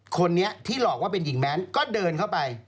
คนนี้ที่หลอกว่าเป็นหญิงแม้นก็เดินเข้าไป